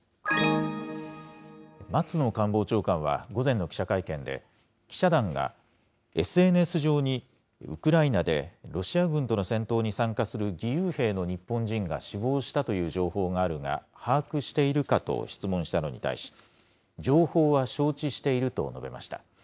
松野官房長官は午前の記者会見で、記者団が、ＳＮＳ上にウクライナでロシア軍との戦闘に参加する義勇兵の日本人が死亡したという情報があるが、把握しているかと質問したのに対し、情報は承知していると述べました。